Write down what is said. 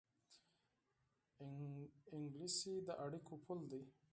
انګلیسي د اړیکو پُل دی